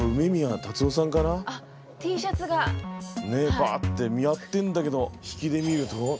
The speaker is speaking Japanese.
バッてやってんだけど引きで見ると。